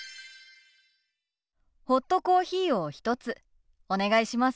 ホットコーヒーを１つお願いします。